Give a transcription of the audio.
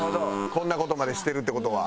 こんな事までしてるって事は。